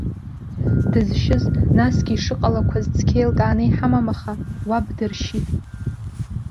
Дызшьыз, насгьы ишыҟалақәаз цқьа еилкааны иҳамам аха, уаб дыршьит!